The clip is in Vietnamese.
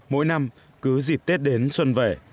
mỗi năm cứ dịp tết đến xuân về